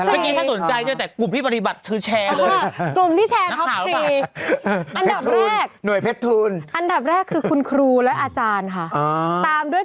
เมื่อกี้ถ้าสนใจเจอแต่กลุ่มที่ปฏิบัติคือแชร์เลย